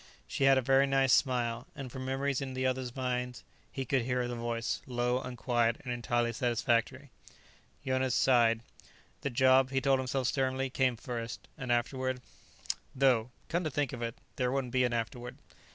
She had a very nice smile, and from memories in the others' minds he could hear her voice, low and quiet and entirely satisfactory. Jonas sighed. The job, he told himself sternly, came first. And afterward Though, come to think of it, there wouldn't be an afterward.